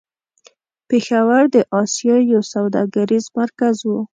پېښور د آسيا يو سوداګريز مرکز و.